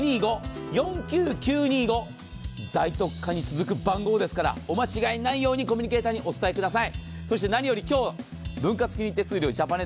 大特価につなぐ番号をお間違いないようにコミュニケーターにお伝えください。